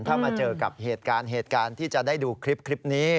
ถ้ามาเจอกับเหตุการณ์เหตุการณ์ที่จะได้ดูคลิปนี้